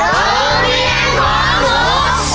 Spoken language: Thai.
โรงเรียนขอหมด